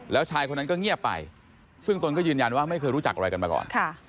แล้วชายคนนั้นก็เงียบไปซึ่งตนก็ยืนยันว่าไม่เคยรู้จักอะไรกันมาก่อน